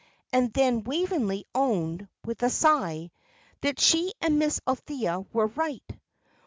And then Waveney owned, with a sigh, that she and Miss Althea were right.